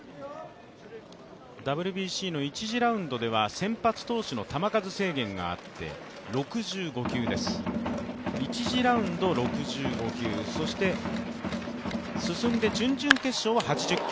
ＷＢＣの１次ラウンドでは先発投手の球数制限があって６５球です、１次ラウンド、６５球そして進んで準々決勝は８０球。